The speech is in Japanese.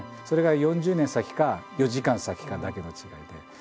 それが４０年先か４時間先かだけの違いで。